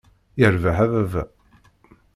Yirbeḥ a baba!